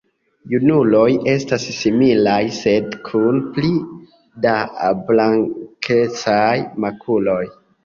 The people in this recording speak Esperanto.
Junuloj estas similaj sed kun pli da blankecaj makuloj.